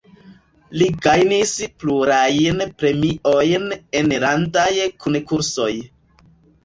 Li gajnis plurajn premiojn en landaj konkursoj.